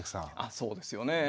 そうですよね。